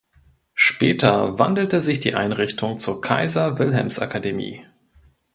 Später wandelte sich die Einrichtung zur Kaiser-Wilhelms-Akademie.